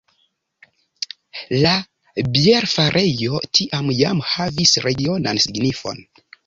La bierfarejo tiam jam havis regionan signifon.